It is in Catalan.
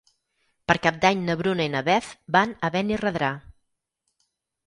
Per Cap d'Any na Bruna i na Beth van a Benirredrà.